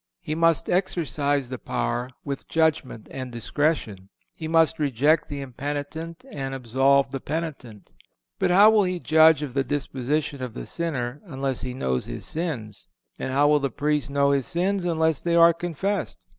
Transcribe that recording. He must exercise the power with judgment and discretion. He must reject the impenitent and absolve the penitent. But how will he judge of the disposition of the sinner unless he knows his sins, and how will the Priest know his sins unless they are confessed?